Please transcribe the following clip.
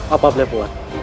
apa boleh buat